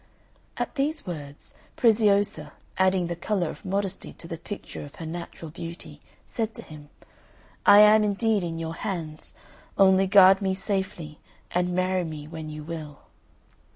At these words Preziosa, adding the colour of modesty to the picture of her natural beauty, said to him, "I am indeed in your hands only guard me safely, and marry me when you will."